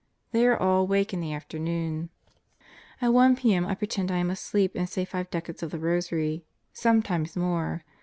They are all awake in the afternoon. At 1 p.m. I pretend I am asleep and say five decades of the rosary sometimes more.